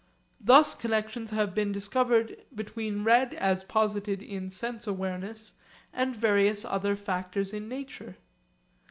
Thus connexions have been discovered between red as posited in sense awareness and various other factors in nature.